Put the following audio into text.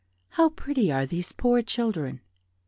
how pretty are these poor children!